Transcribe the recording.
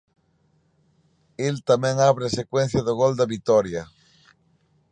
El tamén abre a secuencia do gol da vitoria.